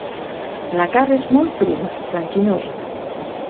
La carn és molt prima, blanquinosa.